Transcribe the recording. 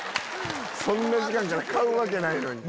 そんな時間から買うわけないのに。